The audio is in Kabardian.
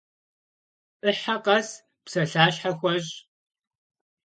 Ӏыхьэ къэс псалъащхьэ хуэщӏ.